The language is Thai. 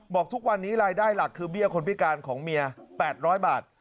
ทุกวันนี้รายได้หลักคือเบี้ยคนพิการของเมีย๘๐๐บาท